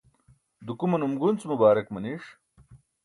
dukumanum gunc bubaarak maniṣ